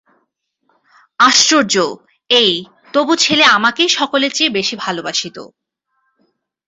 আশ্চর্য এই, তবু ছেলে আমাকেই সকলের চেয়ে বেশি ভালোবাসিত।